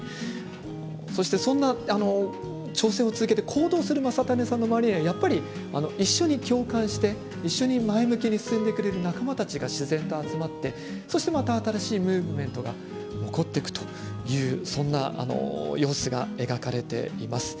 そして、そんな挑戦を続けて行動する将胤さんの周りにはやっぱり一緒に共感して一緒に前向きに進んでくれる仲間たちが自然に集まってそしてまた新しいムーブメントが起こっていくというそんな様子が描かれています。